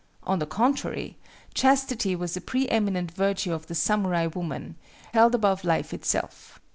On the contrary, chastity was a pre eminent virtue of the samurai woman, held above life itself.